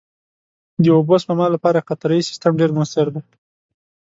د اوبو سپما لپاره قطرهيي سیستم ډېر مؤثر دی.